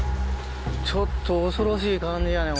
ちょっと恐ろしい感じやね